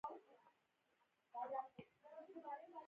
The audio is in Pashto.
استاد د زړونو تود باد وي.